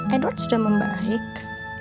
edward sudah membaik